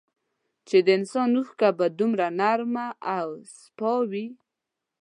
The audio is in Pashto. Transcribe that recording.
چي د انسان اوښکه به دومره نرمه او سپا وې